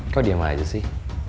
kok diam aja sih